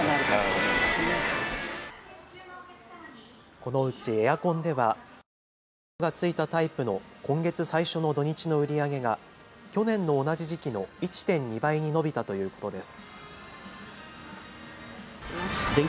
このうちエアコンでは省エネ機能がついたタイプの今月最初の土日の売り上げが去年の同じ時期の１．２倍に伸びたということです。